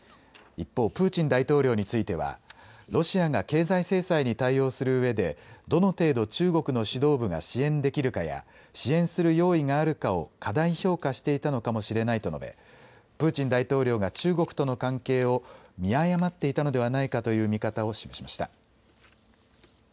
一方、プーチン大統領についてはロシアが経済制裁に対応するうえでどの程度、中国の指導部が支援できるかや、支援する用意があるかを過大評価していたのかもしれないと述べプーチン大統領が中国との関係を見誤っていたのではないかという見方を示しました。